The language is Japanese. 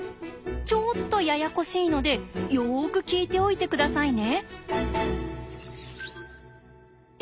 ちょっとややこしいのでよく聞いておいて下さいね。